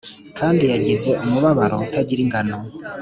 kandi yagize umubabaro utagira ingano,